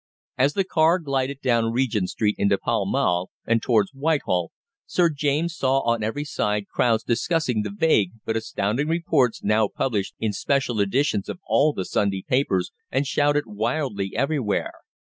As the car glided down Regent Street into Pall Mall and towards Whitehall, Sir James saw on every side crowds discussing the vague but astounding reports now published in special editions of all the Sunday papers, and shouted wildly everywhere.